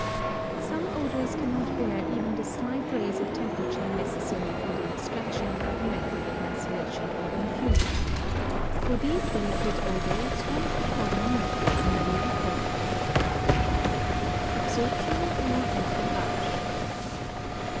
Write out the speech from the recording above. Some odors cannot bear even the slight rise of temperature necessary for their extraction by the method of maceration or infusion. For these delicate odors one of the following methods may be employed. ABSORPTION OR ENFLEURAGE.